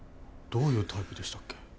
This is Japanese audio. どういうタイプでしたっけ？